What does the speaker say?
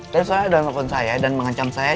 terus soalnya dalam telepon saya dan mengancam saya